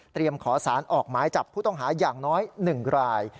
ขอสารออกหมายจับผู้ต้องหาอย่างน้อย๑ราย